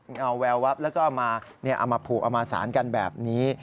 เอาแววับแล้วก็เอามาผูกเอามาสารกันแบบนี้